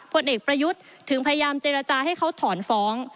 ผลเอกประยุทธ์ถึงพยายามเจรจาให้เขาถอนฟ้อง